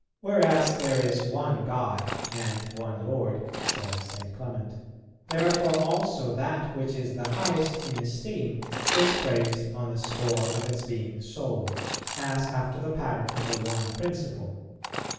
"Whereas there is one God and one Lord," says St. Clement, "therefore also that which is the highest in esteem is praised on the score of being sole, as after the pattern of the One Principle.